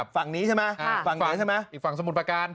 ฝั่งนี้ใช่ไหมฝั่งขวาใช่ไหมอีกฝั่งสมุทรประการ